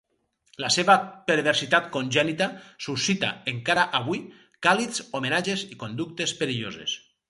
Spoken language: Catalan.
La seva perversitat congènita suscita, encara avui, càlids homenatges i conductes perilloses.